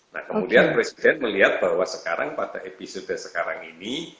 nah kemudian presiden melihat bahwa sekarang pada episode sekarang ini